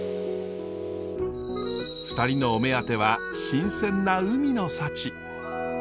２人のお目当ては新鮮な海の幸。